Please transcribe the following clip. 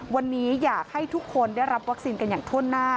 วันนี้อยากให้ทุกคนได้รับวัคซีนกันอย่างทั่วหน้า